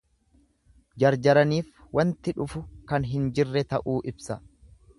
Jarjaraniif waanti dhufu kan hin jirre ta'uu ibsa.